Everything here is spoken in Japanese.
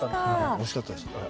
おいしかったですこれ。